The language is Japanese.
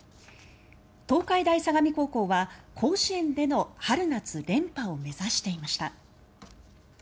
東海大相模高校は甲子園での春夏連覇を目指していました。